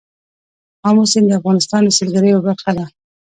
آمو سیند د افغانستان د سیلګرۍ یوه برخه ده.